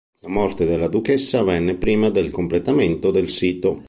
La morte della duchessa avvenne prima del completamento del sito.